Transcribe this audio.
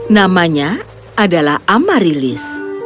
namanya adalah amarilis